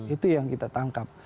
itu yang kita tangkap